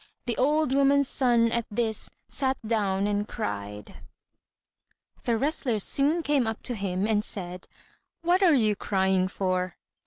The old woman's son at this sat down and cried. The wrestlers soon came up to him and said, "What are you crying for?"